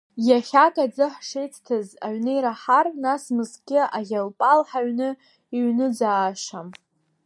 Иахьак аӡы ҳшеицҭаз аҩны иаараҳар, нас мызкгьы аӷьалпал ҳаҩны иҩныӡаашам…